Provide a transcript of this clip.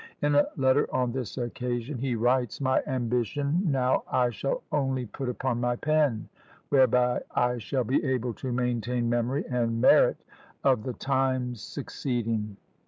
In a letter on this occasion, he writes, "My ambition now I shall only put upon my PEN, whereby I shall be able to maintain memory and merit, of THE TIMES SUCCEEDING."